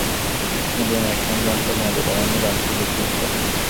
মদীনার এক সম্ভ্রান্ত মর্যাদাবান ও দানশীল ব্যক্তিত্ব।